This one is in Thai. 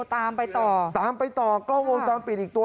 ตามไปต่อตามไปต่อกล้องวงจรปิดอีกตัว